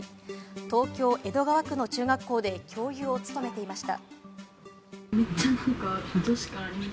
東京・江戸川区の中学校で教諭を務めていました。